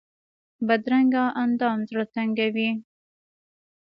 بدرنګه اندام زړه تنګوي